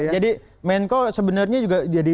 jadi menko sebenarnya juga